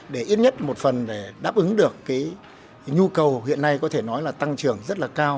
để ít nhất một phần để đáp ứng được cái nhu cầu hiện nay có thể nói là tăng trưởng rất là cao